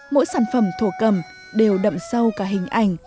mỗi sản phẩm thổ cầm đều đậm sâu cả hình ảnh